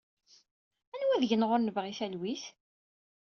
Anwa seg-neɣ ur yebɣin talwit?